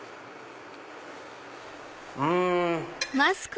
うん！